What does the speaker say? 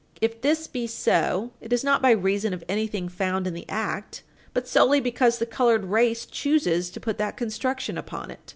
If this be so, it is not by reason of anything found in the act, but solely because the colored race chooses to put that construction upon it.